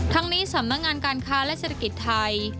ทั้งนี้สำนักงานการค้าและเศรษฐกิจไทย